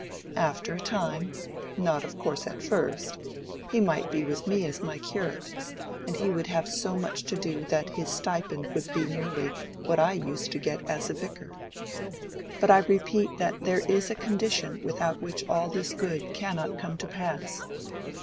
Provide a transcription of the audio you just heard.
After a time—not, of course, at first—he might be with me as my curate, and he would have so much to do that his stipend would be nearly what I used to get as vicar. But I repeat that there is a condition without which all this good cannot come to pass.